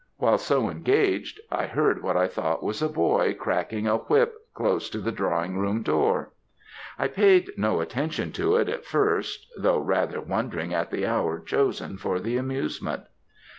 While so engaged, I heard what I thought was a boy cracking a whip close to the drawing room door. I paid no attention to it at first, though rather wondering at the hour chosen for the amusement.